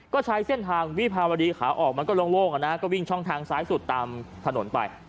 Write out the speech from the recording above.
ก็ใช้เส้นทางวิภาวดีขาออกมันก็โล่งก็วิ่งช่องทางซ้ายสุดตามถนนไป